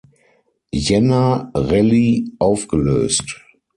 Jänner-Rallye aufgelöst.